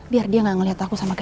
biar dia gak ngeliat aku sama kayak